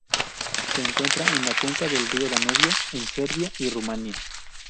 Se encuentra en la cuenca del río Danubio en Serbia y Rumanía.